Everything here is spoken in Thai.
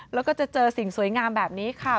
แล้วก็จะเจอสิ่งสวยงามแบบนี้ค่ะ